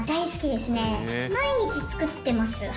毎日作ってます。